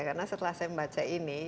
karena setelah saya membaca ini